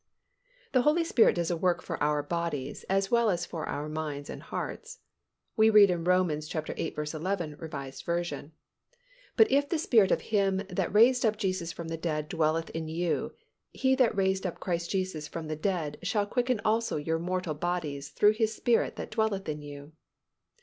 The Holy Spirit does a work for our bodies as well as for our minds and hearts. We read in Rom. viii. 11, R. V., "But if the Spirit of Him that raised up Jesus from the dead dwelleth in you, He that raised up Christ Jesus from the dead shall quicken also your mortal bodies through His Spirit that dwelleth in you."